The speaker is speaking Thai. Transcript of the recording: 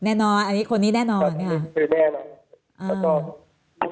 แน่นอนคนนี้แน่นอนตอนนี้มีชื่อแน่นอน